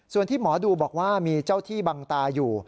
ส่วนที่หมอดูบอกว่ามีเจ้าที่บังตาอยู่